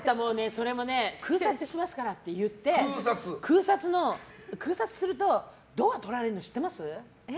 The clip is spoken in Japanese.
それも空撮しますからって言って空撮するとドアとられるの知ってます？